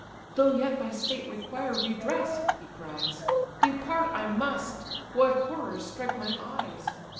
"Though yet thy state require redress (he cries) Depart I must: what horrors strike my eyes!